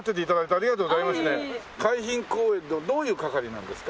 海浜公園のどういう係なんですか？